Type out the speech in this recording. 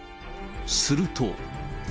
すると。